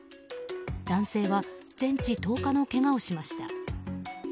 男性は全治１０日のけがをしました。